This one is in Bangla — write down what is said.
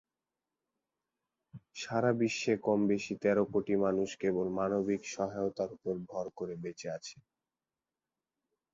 সারা বিশ্বে কমবেশি তেরো কোটি মানুষ কেবল মানবিক সহায়তার উপর ভর করে বেঁচে আছে।